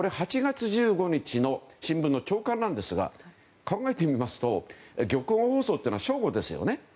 ８月１５日の新聞の朝刊なんですが考えてみますと玉音放送は正午ですよね。